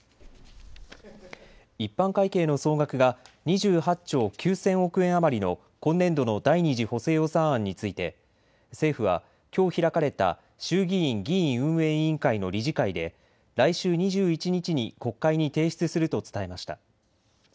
一般会計の総額が２８兆９０００億円余りの今年度の第２次補正予算案について、政府はきょう開かれた衆議院議院運営委員会の理事会で来週２１日に国会に提出すると伝えました。